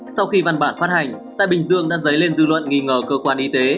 sau khi văn bản phát hành tại bình dương đã dấy lên dư luận nghi ngờ cơ quan y tế